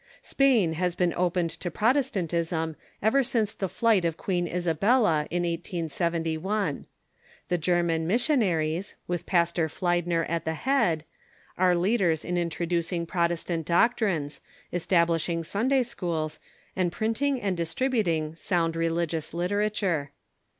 Spain has been opened to Protestantism ever since the flight of Queen Isabella in 1871. The German mis sionaries, with Pastor Fliedner at the head, are leaders in in troducing Protestant doctrines, establishing Sunday schools, and printing and distributing sound religious literature.